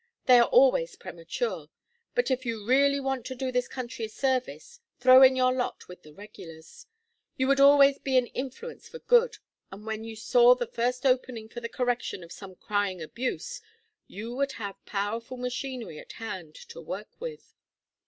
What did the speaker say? They are always premature. But if you really want to do this country a service throw in your lot with the regulars. You would always be an influence for good, and when you saw the first opening for the correction of some crying abuse, you would have powerful machinery at hand to work with.